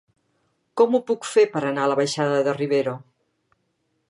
Com ho puc fer per anar a la baixada de Rivero?